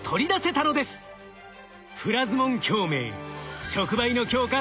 プラズモン共鳴触媒の強化